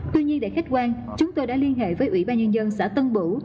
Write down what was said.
tuy nhiên để khách quan chúng tôi đã liên hệ với ủy ban nhân dân xã tân bữ